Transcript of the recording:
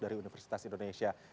dari universitas indonesia